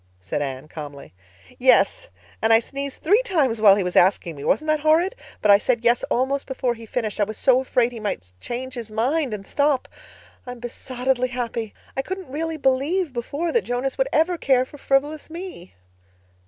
said Anne calmly. "Yes. And I sneezed three times while he was asking me. Wasn't that horrid? But I said 'yes' almost before he finished—I was so afraid he might change his mind and stop. I'm besottedly happy. I couldn't really believe before that Jonas would ever care for frivolous me."